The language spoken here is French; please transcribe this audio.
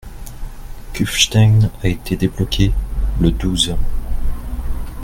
Kufstein a été débloqué le douze.